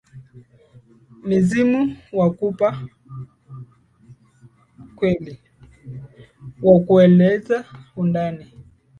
Mizimu wakupa kweli, wakueleze undani,